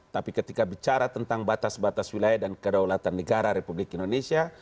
tapi ketika bicara tentang batas batas wilayah dan kedaulatan negara republik indonesia